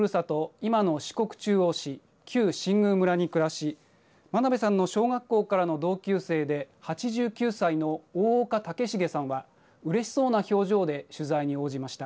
今の四国中央市旧新宮村に暮らし真鍋さんの小学校からの同級生で８９歳の大岡武重さんはうれしそうな表情で取材に応じました。